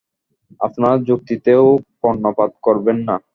আপনারা যুক্তিতেও কর্ণপাত করবেন না?